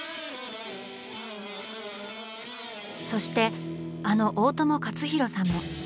そしてあの大友克洋さんも。